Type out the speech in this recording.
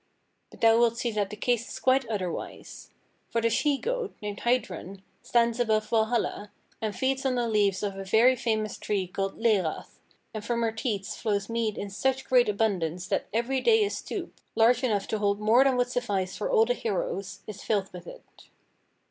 But thou wilt see that the case is quite otherwise. For the she goat, named Heidrun, stands above Valhalla, and feeds on the leaves of a very famous tree called Lærath, and from her teats flows mead in such great abundance that every day a stoop, large enough to hold more than would suffice for all the heroes, is filled with it."